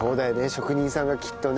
職人さんがきっとね。